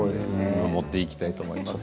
見守っていきたいと思います。